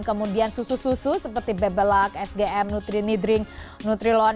kemudian susu susu seperti bebelac sgm nutrilone